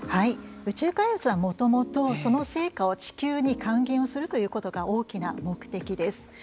宇宙開発はもともとその成果を地球に還元をするということが大きな目的です。